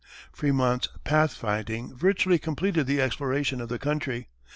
Fremont's "pathfinding" virtually completed the exploration of the country.